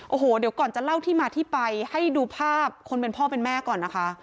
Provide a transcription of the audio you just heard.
โอ้โหเดี๋ยวก่อนจะเล่าที่มาที่ไปให้ดูภาพคนเป็นพ่อเป็นแม่ก่อนนะคะ